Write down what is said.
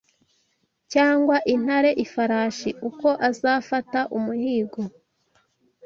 cyangwa intare ifarashi uko azafata umuhigo